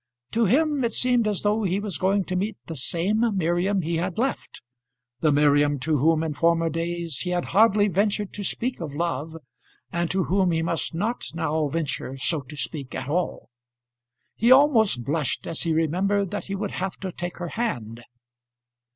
To him it seemed as though he was going to meet the same Miriam he had left, the Miriam to whom in former days he had hardly ventured to speak of love, and to whom he must not now venture so to speak at all. He almost blushed as he remembered that he would have to take her hand.